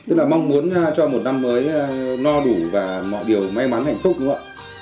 tức là mong muốn cho một năm mới no đủ và mọi điều may mắn hạnh phúc nữa